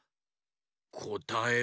こたえは。